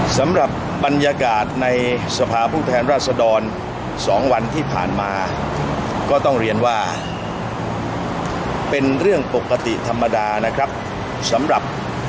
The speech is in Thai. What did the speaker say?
สำหรับบรรยากาศในสภาพผู้แทนราชดร๒วันที่ผ่านมาก็ต้องเรียนว่าเป็นเรื่องปกติธรรมดานะครับสำหรับ